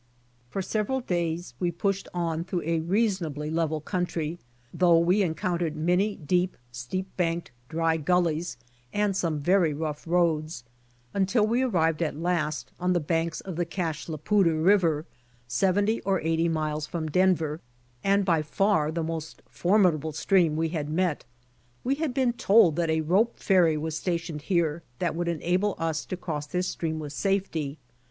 For several days we pushed on through a reas onably level country, though we encountered many deep, steep banked, dry gullies, and some vei y rough roads, until we arrived at last at the banks of the Cache la Poudre river, seventy or eighty miles from Denver and by far the most formidable stream we had met. We had been told that a rope ferry was stationed here that would enable us to cross this stream with safety.